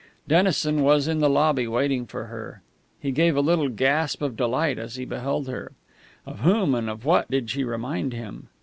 Dennison was in the lobby waiting for her. He gave a little gasp of delight as he beheld her. Of whom and of what did she remind him?